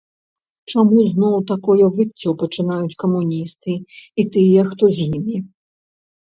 Чаму зноў такое выццё пачынаюць камуністы і тыя, хто з імі?